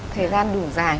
thời gian đủ dài